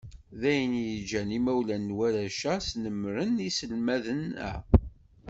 D ayen i yeǧǧan imawlan n warrac-a, snemmren iselmaden-a.